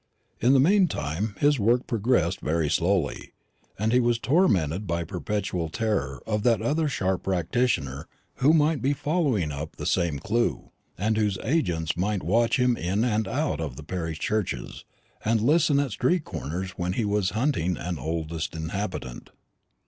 In the meantime his work progressed very slowly; and he was tormented by perpetual terror of that other sharp practitioner who might be following up the same clue, and whose agents might watch him in and out of parish churches, and listen at street corners when he was hunting an oldest inhabitant.